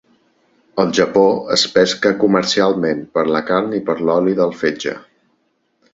Al Japó es pesca comercialment per la carn i per l'oli del fetge.